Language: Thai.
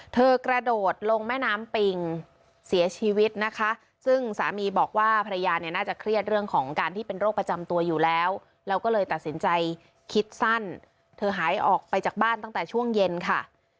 กระโดดลงแม่น้ำปิงเสียชีวิตนะคะซึ่งสามีบอกว่าภรรยาเนี่ยน่าจะเครียดเรื่องของการที่เป็นโรคประจำตัวอยู่แล้วแล้วก็เลยตัดสินใจคิดสั้นเธอหายออกไปจากบ้านตั้งแต่ช่วงเย็นค่ะ